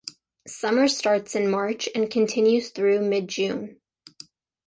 Summer starts in March and continues through mid-June.